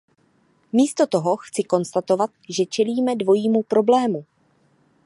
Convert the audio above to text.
Místo toho chci konstatovat, že čelíme dvojímu problému.